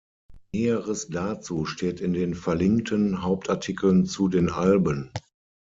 Näheres dazu steht in den verlinkten Hauptartikeln zu den Alben.